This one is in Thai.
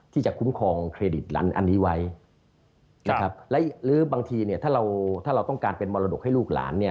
ที่จะคุ้มครองเครดิตอันนี้ไว้หรือบางทีถ้าเราต้องการเป็นมรดกให้ลูกหลาน